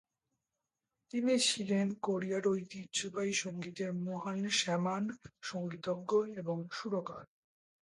তিনি ছিলেন কোরিয়ার ঐতিহ্যবাহী সঙ্গীতের মহান শাম্যান, সঙ্গীতজ্ঞ এবং সুরকার।